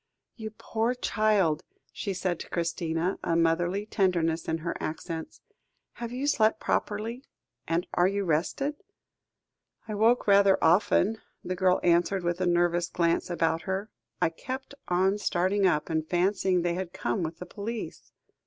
"You poor child," she said to Christina, a motherly tenderness in her accents; "have you slept properly; and are you rested?" "I woke rather often," the girl answered with a nervous glance about her. "I kept on starting up, and fancying they had come with the police."